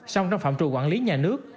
song trong phạm trù quản lý nhà nước